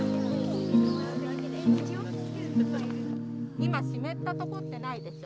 今湿ったとこってないでしょ。